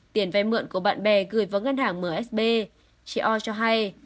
tiền vay mượn của bạn bè gửi vào ngân hàng msb chị o cho hay